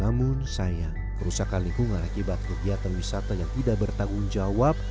dan sayang kerusakan lingkungan akibat kegiatan wisata yang tidak bertanggung jawab